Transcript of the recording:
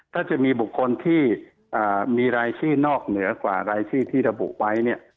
ถ้าจะมีบุคคลที่มีรายชื่อนอกเหนือกว่ารายชื่อที่ระบุไว้เนี่ย